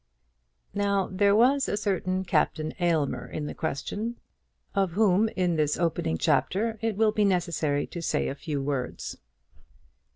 Now there was a certain Captain Aylmer in the question, of whom in this opening chapter it will be necessary to say a few words.